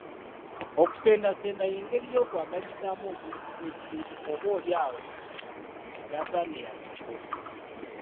Okusendasenda y'engeri y'okwagazisaamu omuntu ekintu oboolyawo ky'atandyagadde.